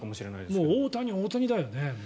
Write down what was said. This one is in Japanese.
もう大谷、大谷だよね。